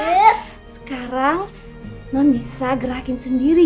hai alhamdulillah sekarang non bisa gerakin sendiri